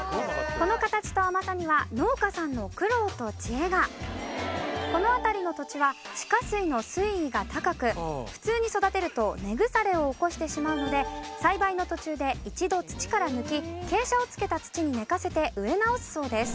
このこの辺りの土地は地下水の水位が高く普通に育てると根腐れを起こしてしまうので栽培の途中で一度土から抜き傾斜をつけた土に寝かせて植え直すそうです。